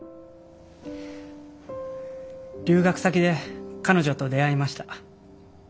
留学先で彼女と出会いました。